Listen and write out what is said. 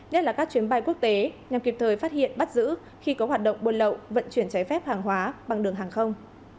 nhất là các chuyến bay quốc tế nhằm kịp thời phát hiện bắt giữ khi có hoạt động buôn lậu vận chuyển trái phép hàng hóa bằng đường hàng không